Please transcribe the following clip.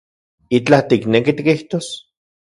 ¿Itlaj tikneki tikijtos?